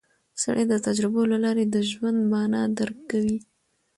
سړی د تجربو له لارې د ژوند مانا درک کوي